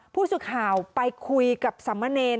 ผู้สุข่าวไปคุยกับสมเนร